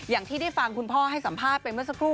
อย่างที่ได้ฟังคุณพ่อให้สัมภาษณ์ไปเมื่อสักครู่